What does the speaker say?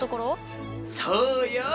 そうよ。